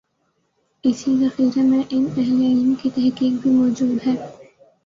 اسی ذخیرے میں ان اہل علم کی تحقیق بھی موجود ہے۔